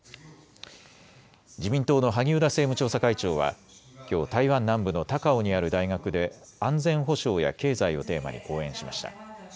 自民党の萩生田政務調査会長はきょう、台湾南部の高雄にある大学で安全保障や経済をテーマに講演しました。